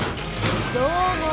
どうも！